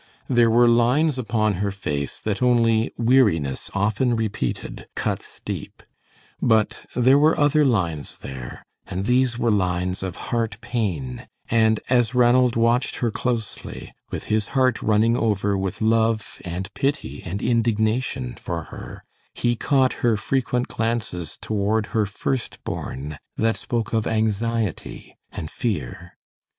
There were lines upon her face that only weariness often repeated cuts deep; but there were other lines there, and these were lines of heart pain, and as Ranald watched her closely, with his heart running over with love and pity and indignation for her, he caught her frequent glances toward her first born that spoke of anxiety and fear.